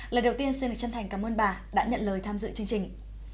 lời đầu tiên xin được chân thành cảm ơn bà đã nhận lời tham dự chương trình